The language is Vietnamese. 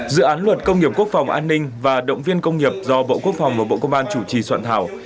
dự án luật công nghiệp quốc phòng an ninh và động viên công nghiệp do bộ quốc phòng và bộ công an chủ trì soạn thảo